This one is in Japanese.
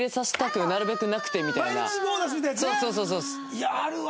いやあるわ！